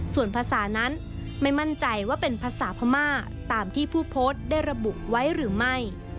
ส่วนภาษานั้นไม่มั่นใจว่าเป็นภาษาพม่าตามที่ผู้โพสต์ได้ระบุไว้หรือไม่